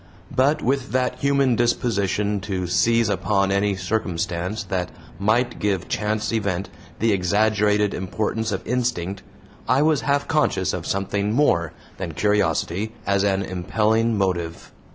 But with that human disposition to seize upon any circumstance that might give chance event the exaggerated importance of instinct, I was half conscious of something more than curiosity as an impelling motive.